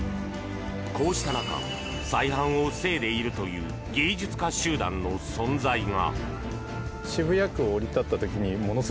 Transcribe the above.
こうした中再犯を防いでいるという芸術家集団の存在が！